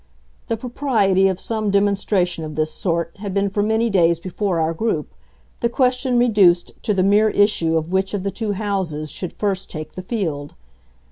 The propriety of some demonstration of this sort had been for many days before our group, the question reduced to the mere issue of which of the two houses should first take the field.